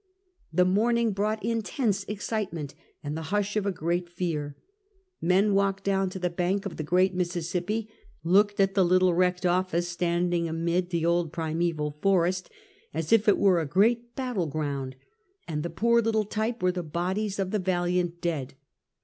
The morning brought intense excitement and the hush of a great fear. Men walked down to the bank of the great Mississippi, looked at the little wrecked office standing amid the old primeval forest, as if it were a great battle ground, and the poor little type were the bodies of the valiant dead.